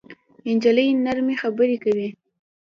نجلۍ نرمه خبرې کوي.